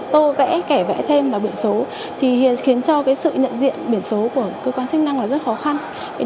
tô vẽ kẻ vẽ thêm vào biển số thì khiến cho sự nhận diện biển số của cơ quan chức năng là rất khó khăn